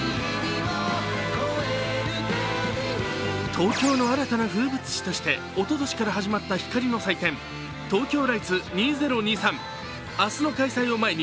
東京の新たな風物詩として、おととしから始まった光の祭典、ＴＯＫＹＯＬＩＧＨＴＳ２０２３。